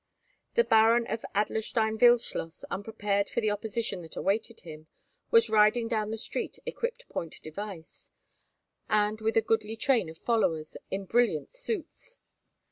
The Baron of Adlerstein Wildschloss, unprepared for the opposition that awaited him, was riding down the street equipped point device, and with a goodly train of followers, in brilliant suits.